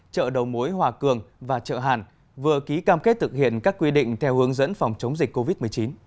chợ đầu mối hòa cường và chợ hàn vừa ký cam kết thực hiện các quy định theo hướng dẫn phòng chống dịch covid một mươi chín